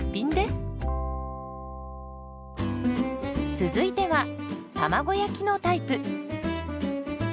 続いては卵焼きのタイプ。